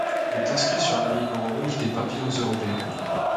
Il est inscrit sur le livre rouge des papillons européens.